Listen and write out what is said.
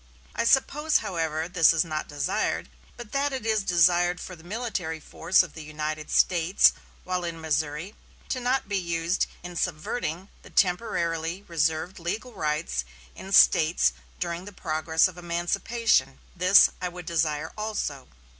I suppose, however, this is not desired, but that it is desired for the military force of the United States, while in Missouri, to not be used in subverting the temporarily reserved legal rights in slaves during the progress of emancipation. This I would desire also."